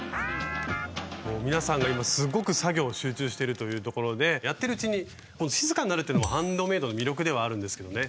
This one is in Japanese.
皆さんが今すっごく作業に集中してるというところでやってるうちに静かになるというのもハンドメイドの魅力ではあるんですけどね。